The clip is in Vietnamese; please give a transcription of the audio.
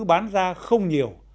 bán ra không nhiều